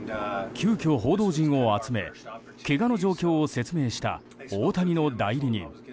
急きょ、報道陣を集めけがの状況を説明した大谷の代理人。